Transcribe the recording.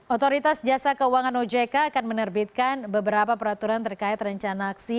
otoritas jasa keuangan ojk akan menerbitkan beberapa peraturan terkait rencana aksi